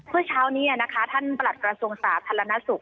เมื่อเช้านี้นะคะท่านประหลัดกระทรวงสาธารณสุข